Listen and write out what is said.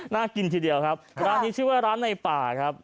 น่ากินทีเดียวครับร้านนี้ชื่อว่าร้านในป่าครับ